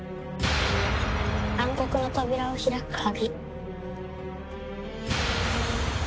暗黒の扉を開く鍵。